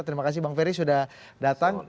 terima kasih bang ferry sudah datang